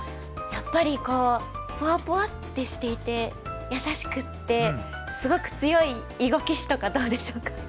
やっぱりこうポワポワってしていて優しくってすごく強い囲碁棋士とかどうでしょうか？